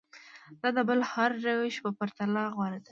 دا د بل هر روش په پرتله غوره ده.